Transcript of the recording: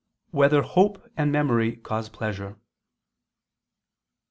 3] Whether Hope and Memory Cause Pleasure?